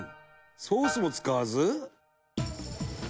「ソースも使わず？」